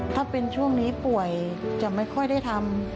ถ้าเป็นช่วงนี้ป่วยจะไม่ค่อยได้ทำ